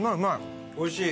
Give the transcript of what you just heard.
おいしい！